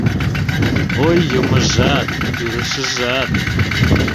Ой, юмыжат, пӱрышыжат